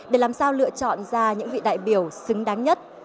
để làm sao lựa chọn ra những vị đại biểu xứng đáng nhất